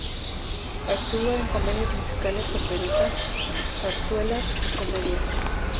Actúa en comedias musicales, operetas, zarzuelas y comedias.